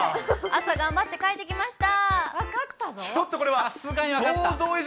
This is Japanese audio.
朝、頑張って描いてきました。